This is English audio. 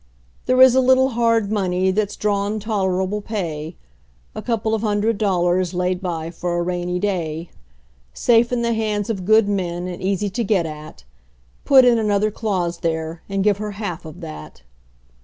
There is a little hard money that's drawin' tol'rable pay: A couple of hundred dollars laid by for a rainy day; Safe in the hands of good men, and easy to get at; Put in another clause there, and give her half of that.